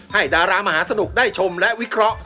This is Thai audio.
ดารามหาสนุกได้ชมและวิเคราะห